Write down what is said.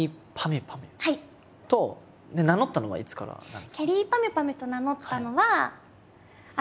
ゅぱみゅ」と名乗ったのはいつからなんですか？